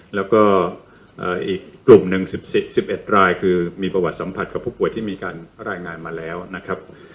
แล้วก็อีกกลุ่มหนึ่ง๑๑รายคือมีประวัติสัมผัสกับผู้ป่วยที่มีการรายงานมาแล้วนะครับ